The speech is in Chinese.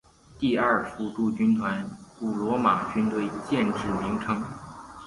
第二辅助军团古罗马军队建制名称。